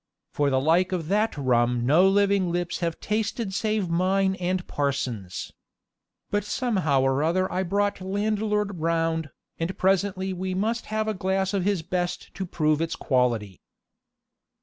For the like of that rum no living lips have tasted save mine and parson's. But somehow or other I brought landlord round, and presently we must have a glass of his best to prove its quality.